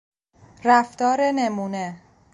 رفتار نمونه